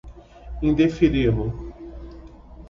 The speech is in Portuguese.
indeferi-lo